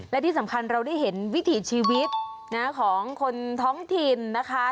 และที่สำคัญเราได้เห็นวิถีชีวิตของคนท้องถิ่นนะคะ